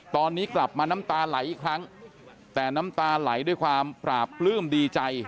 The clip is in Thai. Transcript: ตอนนี้กลับมาน้ำตาไหลอีกครั้งแต่น้ำตาไหลด้วยความปราบปลื้มดีใจ